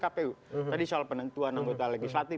kpu tadi soal penentuan anggota legislatif